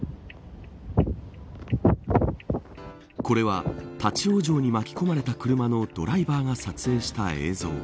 これは立ち往生に巻き込まれた車のドライバーが撮影した映像。